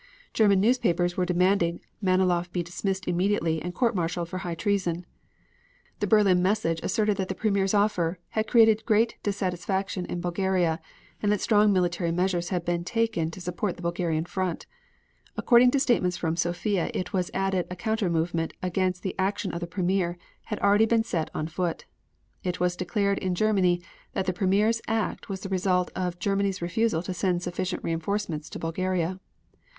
German newspapers were demanding that Malinoff be dismissed immediately and court martialed for high treason. The Berlin message asserted that the Premier's offer had created great dissatisfaction in Bulgaria and that strong military measures had been taken to support the Bulgarian front. According to statements from Sofia it was added a counter movement against the action of the Premier had already been set on foot. It was declared in Germany that the Premier's act was the result of Germany's refusal to send sufficient reinforcements to Bulgaria.